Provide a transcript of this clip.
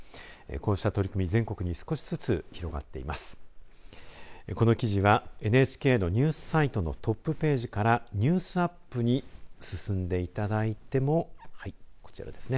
この記事はＮＨＫのニュースサイトのトップページからニュースアップに進んでいただいてもこちらですね